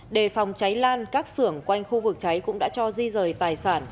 đề phòng cháy lan các sưởng quanh khu vực cháy cũng đã cho di rời tài sản